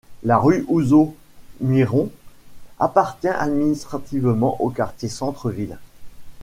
La rue Houzeau-Muiron appartient administrativement au quartier centre ville.